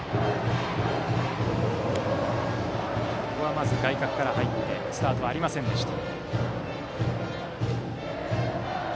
まず外角から入ってスタートはありませんでした。